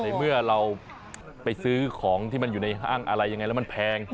ในเมื่อเราไปซื้อของที่มันอยู่ในห้างอะไรยังไงแล้วมันแพง